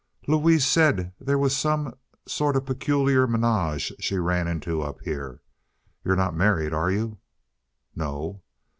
"Louise said there was some sort of a peculiar ménage she ran into up here. You're not married, are you?" "No."